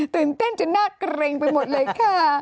ตื่นเต้นจนน่าเกร็งไปหมดเลยค่ะ